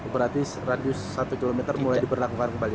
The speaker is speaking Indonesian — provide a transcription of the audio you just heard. berarti radius satu km mulai diberlakukan kembali